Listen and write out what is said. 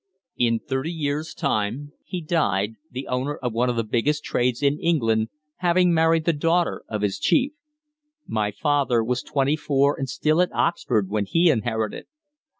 In thirty years' time he died, the owner of one of the biggest trades in England, having married the daughter of his chief. My father was twenty four and still at Oxford when he inherited.